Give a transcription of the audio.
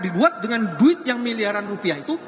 dibuat dengan duit yang miliaran rupiah itu